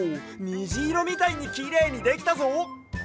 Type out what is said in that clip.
にじいろみたいにきれいにできたぞ！